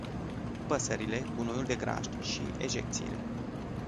Păsările, gunoiul de grajd și ejecțiile.